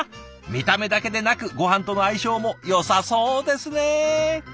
見た目だけでなくごはんとの相性もよさそうですね！